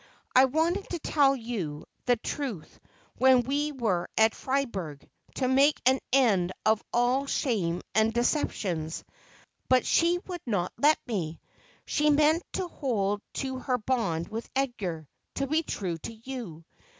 I wanted to tell you the truth when we were at Fribourg, to make an end o£ all shams and deceptions, but she would not let me. She meant to hold to her bond with Edgar — to be true to you.